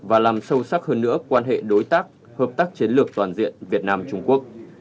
và làm sâu sắc hơn nữa quan hệ đối tác hợp tác chiến lược toàn diện việt nam trung quốc